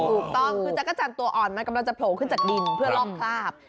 ถูกต้องคือจักรจันทร์ตัวอ่อนมันกำลังจะโผล่ขึ้นจากดินเพื่อลอกคราบ